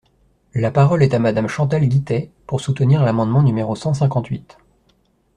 La parole est à Madame Chantal Guittet, pour soutenir l’amendement numéro cent cinquante-huit.